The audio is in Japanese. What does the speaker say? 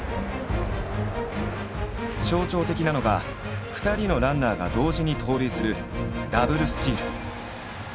象徴的なのが２人のランナーが同時に盗塁するダブルスチール。